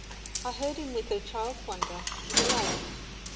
I heard him with a child's wonder and delight.